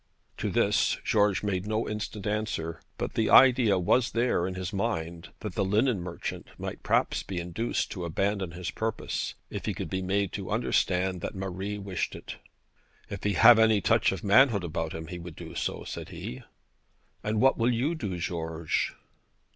To this George made no instant answer; but the idea was there, in his mind that the linen merchant might perhaps be induced to abandon his purpose, if he could be made to understand that Marie wished it. 'If he have any touch of manhood about him he would do so,' said he. 'And what will you do, George?'